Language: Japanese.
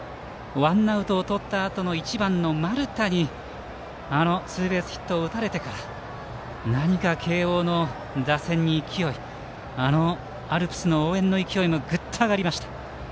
ワンアウトをとったあとの１番の丸田にツーベースヒットを打たれてから何か慶応の打線に勢いあのアルプスの応援の勢いもグッと上がりました。